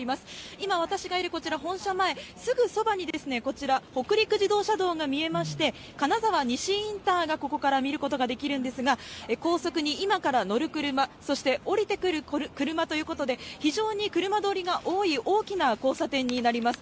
今私がいるこちらの本社前、すぐそばにこちら、北陸自動車道が見えまして、金沢西インターがここから見ることができるんですが、高速に今から乗る車、そして降りてくる車ということで、非常に車通りが多い、大きな交差点になります。